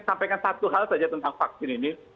sampaikan satu hal saja tentang vaksin ini